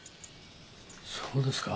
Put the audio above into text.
そうですか？